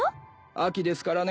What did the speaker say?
秋ですからね